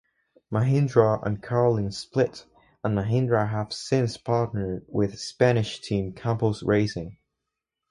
Mahindra and Carlin split, and Mahindra have since partnered with Spanish team Campos Racing.